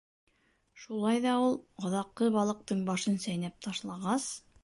Шулай ҙа ул, аҙаҡҡы балыҡтың башын сәйнәп ташлағас: